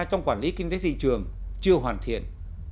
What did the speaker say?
trong quản lý kinh tế thị trường chưa hoàn thiện